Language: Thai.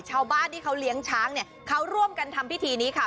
ชาวบ้านที่เขาเลี้ยงช้างเนี่ยเขาร่วมกันทำพิธีนี้ค่ะ